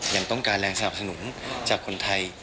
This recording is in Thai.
ยังต้องการแรงสนับสนุนจากคนไทย